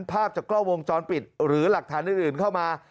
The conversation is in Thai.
ภาพจากกล้องวงจรปิดหรือหลักฐานอื่นเข้ามา